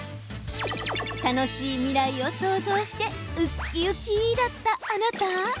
楽しい未来を想像してうっきうきだった、あなた。